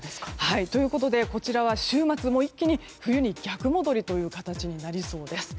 ということでこちらは週末、一気に冬に逆戻りという形になりそうです。